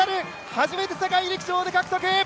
初めて世界陸上で獲得！